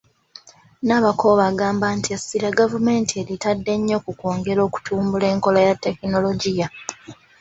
Nabakooba agamba nti essira gavumenti eritadde nnyo ku kwongera okutumbula enkola ya Tekinologiya.